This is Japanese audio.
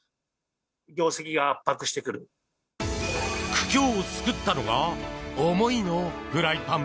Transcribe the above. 苦境を救ったのがおもいのフライパン。